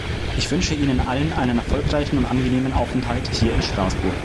Ich wünsche Ihnen allen einen erfolgreichen und angenehmen Aufenthalt hier in Straßburg.